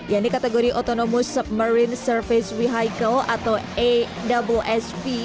yang dikategori autonomous submarine service vehicle atau awsv